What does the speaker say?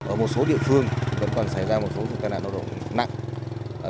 ở một số địa phương vẫn còn xảy ra một số vấn đề